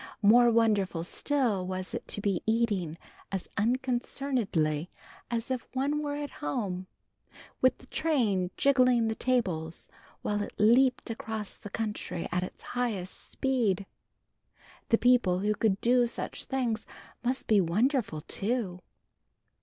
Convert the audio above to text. More wonderful still was it to be eating as unconcernedly as if one were at home, with the train jiggling the tables while it leaped across the country at its highest speed. The people who could do such things must be wonderful too.